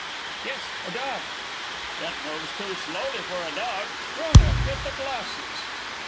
"Yes; a dog." "It moves too slowly for a dog. Frona, get the glasses."